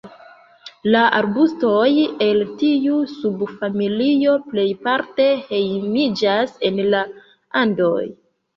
La arbustoj el tiu subfamilio plejparte hejmiĝas en la Andoj.